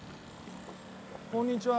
こんにちは。